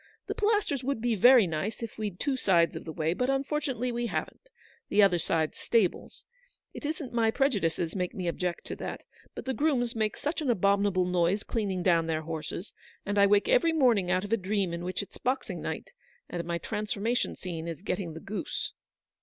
The Pilasters would be very nice, if we'd two sides of the way, but unfortu nately we haven't; the other side's stables. It WAITING. 105 isn't my prejudices make me object to that ; but the grooms make such an abominable noise cleaning down their horses, and I wake every morning out of a dream in which it's Boxing night, and my transformation scene is getting the goose."